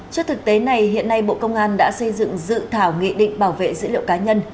trước thực tế này hiện nay bộ công an đã xây dựng dự thảo nghị định bảo vệ dữ liệu cá nhân